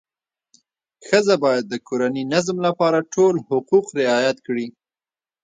ښځه باید د کورني نظم لپاره ټول حقوق رعایت کړي.